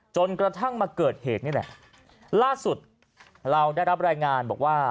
จนกระทั่งมาเกิดเหตุนี่แหละล่าสุดเราได้รับรายงานบอกว่า